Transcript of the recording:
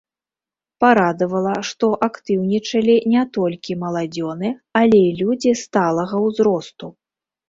Парадавала, што актыўнічалі не толькі маладзёны, але і людзі сталага ўзросту.